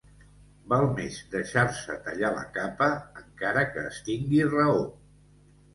Val més deixar-se tallar la capa, encara que es tingui raó.